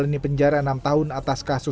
saat ini suami wanita ini tidak tahu